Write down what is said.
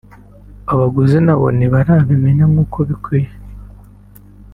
abaguzi nabo ntibararimenya nk’uko bikwiye